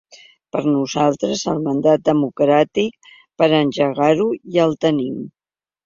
Per nosaltres, el mandat democràtic per engegar-ho ja el tenim.